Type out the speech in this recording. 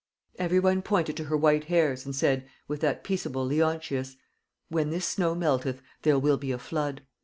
Every one pointed to her white hairs, and said, with that peaceable Leontius, "When this snow melteth there will be a flood."